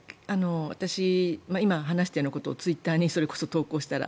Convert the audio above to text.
私、今話したようなことをツイッターにそれこそ投稿したら